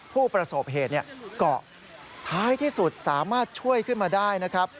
ผู้ประสบเหตุเกาะท้ายที่สุดสามารถช่วยขึ้นมาได้นะครับ